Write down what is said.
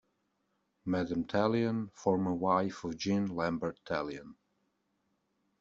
Madame Tallien, former wife of Jean Lambert Tallien.